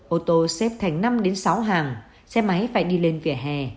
ô tô xếp thành năm sáu hàng xe máy phải đi lên vỉa hè